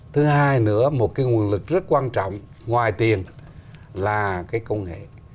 thứ hai nữa một cái nguồn lực rất quan trọng ngoài tiền là cái công nghệ